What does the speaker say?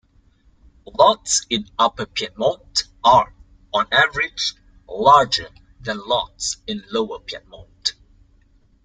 Lots in upper Piedmont are, on average, larger than lots in lower Piedmont.